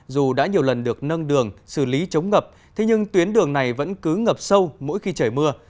dù đã nhiều lần được nâng đường xử lý chống ngập thế nhưng tuyến đường này vẫn cứ ngập sâu mỗi khi trời mưa